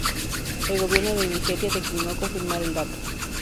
El gobierno de Nigeria declinó confirmar el dato.